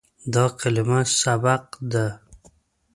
دا کلمه "سبق" ده.